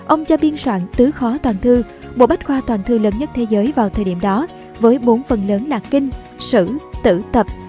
ông cho biên soạn tứ khó toàn thư bộ bách khoa toàn thư lớn nhất thế giới vào thời điểm đó với bốn phần lớn là kinh sử tử tập